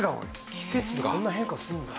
季節でこんなに変化するんだ。